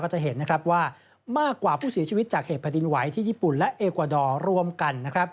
ก็จะเห็นว่ามากกว่าผู้สีชีวิตจากเหตุผลิตินไหวที่ญี่ปุ่นและเอกวาดอร์ร่วมกัน